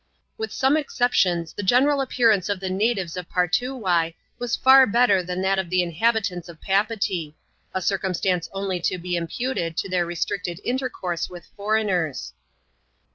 With some exceptions, the general appearance of the natives of Partoowye was far better than that of the inhabitants of Papeetee : a circumstance only to be imputed to their restricted intercourse with foreigners.